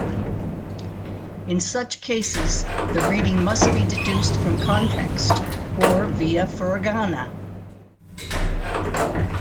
In such cases the reading must be deduced from context or via furigana.